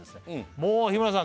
もう日村さん